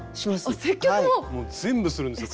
もう全部するんですよ